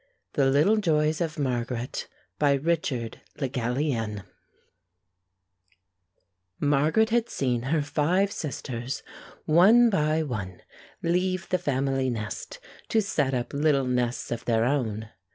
The Little Joys of Margaret BY RICHARD LE GALLIENNE Margaret had seen her five sisters one by one leave the family nest, to set up little nests of their own.